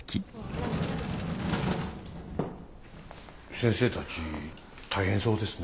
先生たち大変そうですね。